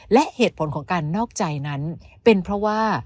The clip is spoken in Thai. และเหตุผลของการนอกใจนั้นเป็นเพราะว่า